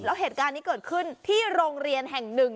แล้วเหตุการณ์นี้เกิดขึ้นที่โรงเรียนแห่งหนึ่ง